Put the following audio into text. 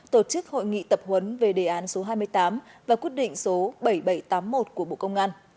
tổ chức hội nghị tập huấn về đề án số hai mươi tám và quyết định số bảy nghìn bảy trăm tám mươi một của bộ công an